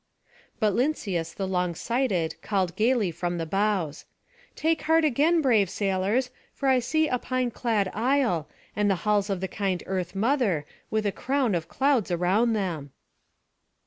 But Lynceus the long sighted called gayly from the bows: "Take heart again, brave sailors; for I see a pine clad isle, and the halls of the kind Earth mother, with a crown of clouds around them."